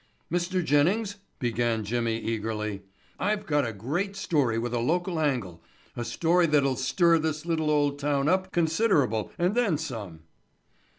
"Mr. Jennings," began Jimmy eagerly, "I've got a great story with a local angle, a story that'll stir this little old town up considerable and then some."